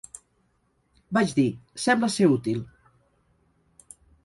Vaig dir, "sembla ser útil.